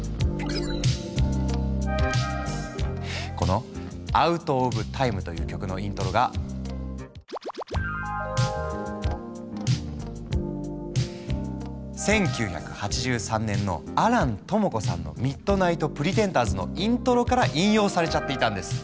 この「ＯｕｔｏｆＴｉｍｅ」という曲のイントロが１９８３年の亜蘭知子さんの「ＭｉｄｎｉｇｈｔＰｒｅｔｅｎｄｅｒｓ」のイントロから引用されちゃっていたんです。